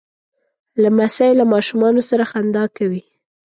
لمسی له ماشومانو سره خندا کوي.